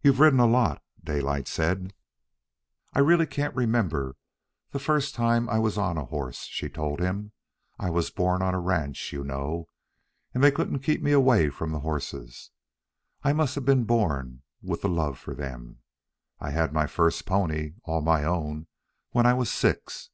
"You've ridden a lot," Daylight said. "I really can't remember the first time I was on a horse," she told him. "I was born on a ranch, you know, and they couldn't keep me away from the horses. I must have been born with the love for them. I had my first pony, all my own, when I was six.